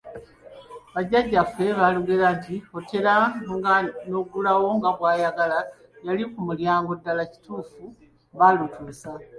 Bajjajjaffe abaalugera nti otera nga n'oggulawo nga gw'ayagala y'ali ku mulyango ddala kituufu baalutuusa.